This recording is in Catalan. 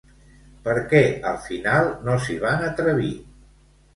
Per què al final no s'hi van atrevir?